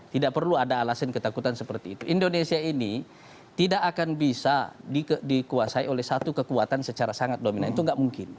tidak perlu ada alasan ketakutan seperti itu indonesia ini tidak akan bisa dikuasai oleh satu kekuatan secara sangat dominan itu tidak mungkin